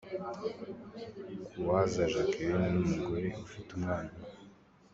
Kuwaza Jacqueline ni umugore ufite umwana umwe.